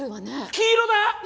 黄色だ！